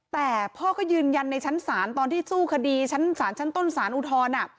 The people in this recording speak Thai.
แต่พ่อก็ยืนยันในชั้นศาลตอนที่สู้คดีชั้นศาลชั้นต้นสารอุทธรณ์